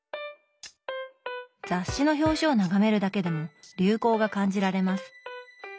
雑誌の表紙を眺めるだけでも流行が感じられます。